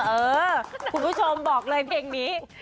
เออคุณผู้ชมบอกเลยเพลงนี้